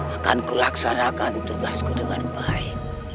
akan kulaksanakan tugasku dengan baik